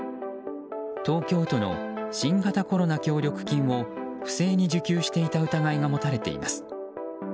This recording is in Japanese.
東京都の新型コロナ協力金を不正に受給していた疑いが持たれています。